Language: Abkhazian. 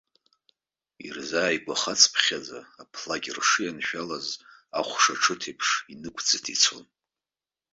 Ирзааигәахацыԥхьаӡа, аԥлакьршы ианшәалаз ахәшаҽыҭ еиԥш инықәӡыҭ ицон.